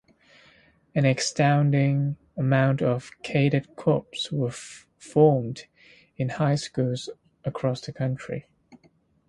An astounding amount of cadet corps were formed in high schools across the country.